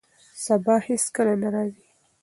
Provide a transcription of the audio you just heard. سبا هیڅکله نه راځي.